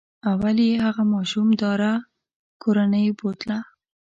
اول یې هغه ماشوم داره کورنۍ بوتله.